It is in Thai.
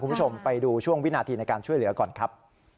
คุณผู้ชมไปดูช่วงวินาทีในการช่วยเหลือก่อนครับ